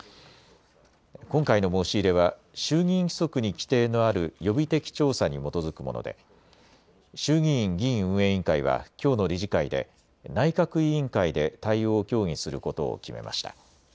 今回の申し入れは衆議院規則に規定のある予備的調査に基づくもので衆議院議院運営委員会はきょうの理事会で内閣委員会で対応を協議することを決めました。